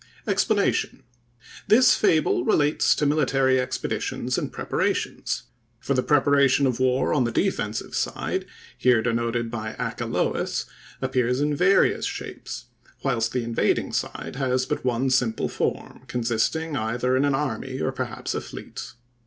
EXPLANATION.—This fable relates to military expeditions and preparations; for the preparation of war on the defensive side, here denoted by Achelous, appears in various shapes, whilst the invading side has but one simple form, consisting either in an army, or perhaps a fleet.